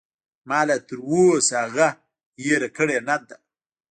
ما لاتر اوسه هغه هېره کړې نه ده.